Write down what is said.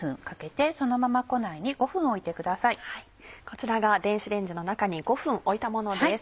こちらが電子レンジの中に５分置いたものです。